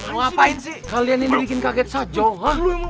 mau ngapain sih kalian ini bikin kaget saja